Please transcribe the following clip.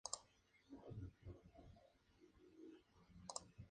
Edita su poesía muy esporádicamente en Pre-Textos.